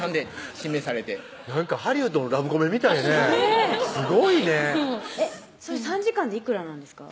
指名されてなんかハリウッドのラブコメみたいやねすごいねそれ３時間でいくらなんですか？